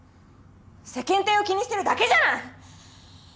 世間体を気にしてるだけじゃない！